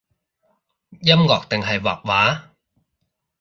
音樂定係畫畫？